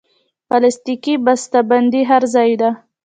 پلاستيکي بستهبندي هر ځای ده.